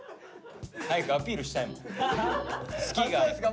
早くアピールしたいもん。